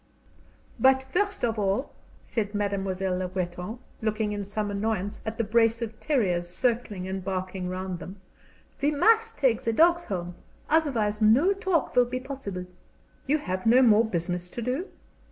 IV "But, first of all," said Mademoiselle Le Breton, looking in some annoyance at the brace of terriers circling and barking round them, "we must take the dogs home, otherwise no talk will be possible." "You have no more business to do?"